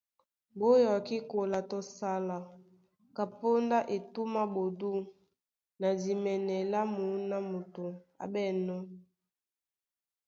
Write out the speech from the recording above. Ɓó yɔkí kola tɔ sala, kapóndá etûm á ɓodû na dimɛnɛ lá mǔná moto á ɓɛ̂nnɔ́.